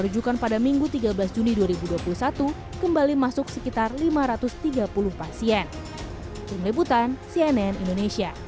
rujukan pada minggu tiga belas juni dua ribu dua puluh satu kembali masuk sekitar lima ratus tiga puluh pasien